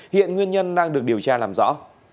hiện nguyên nhân đang được điều tra làm rõ